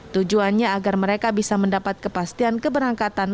tujuannya agar mereka bisa mendapat kepastian keberangkatan